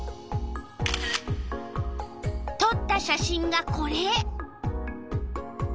とった写真がこれ。